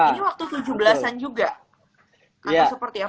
ini waktu tujuh belas an juga